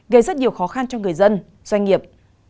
gây rất nhiều khó khăn cho người dân doanh nghiệp